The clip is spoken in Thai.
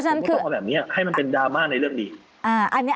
ผมก็ต้องเอาแบบนี้ให้มันเป็นดราม่าในเรื่องดี